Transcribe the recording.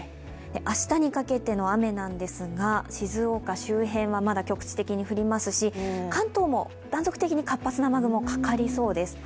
明日にかけての雨なんですが、静岡周辺は、まだ局地的に降りますし関東も断続的に活発的な雨雲がかかりそうです。